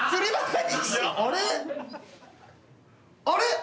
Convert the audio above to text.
あれ？